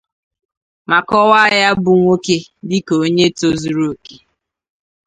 ma kọwaa ya bụ nwoke dịka onye tozuru òkè